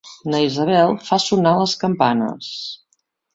Na Isabel fa sonar les campanes.